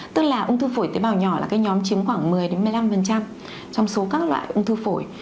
tức là ung thư phổi tế bào nhỏ là cái nhóm chiếm khoảng một mươi một mươi năm trong số các loại ung thư phổi